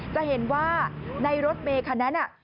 จะเห็นว่าในรถเมย์คันนั้น